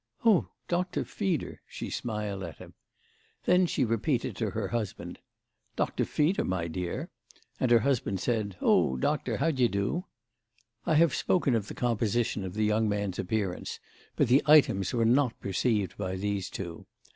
"Oh Doctor Feeder!"—she smiled at him. Then she repeated to her husband, "Doctor Feeder, my dear!" and her husband said, "Oh Doctor, how d'ye do?" I have spoken of the composition of the young man's appearance, but the items were not perceived by these two.